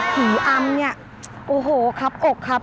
อำเนี่ยโอ้โหครับอกครับ